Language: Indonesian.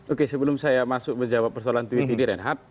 oke sebelum saya masuk menjawab persoalan tweet ini reinhardt